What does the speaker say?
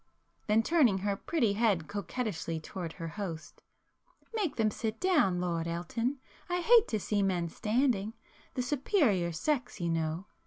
—then turning her pretty head coquettishly towards her host—"Make them sit down, Lord Elton,—I hate to see men standing. The superior sex, you know!